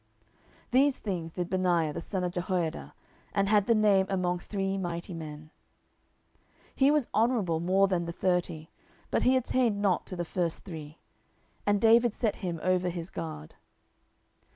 10:023:022 These things did Benaiah the son of Jehoiada, and had the name among three mighty men. 10:023:023 He was more honourable than the thirty, but he attained not to the first three. And David set him over his guard.